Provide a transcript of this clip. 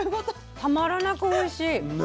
たまらなくおいしい。ね。